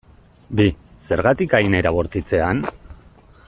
Bi, zergatik hain era bortitzean?